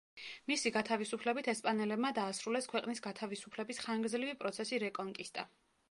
მისი გათავისუფლებით ესპანელებმა დაასრულეს ქვეყნის გათავისუფლების ხანგრძლივი პროცესი რეკონკისტა.